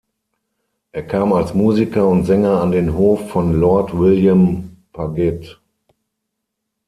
Er kam als Musiker und Sänger an den Hof von Lord William Paget.